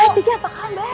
cici apa kabar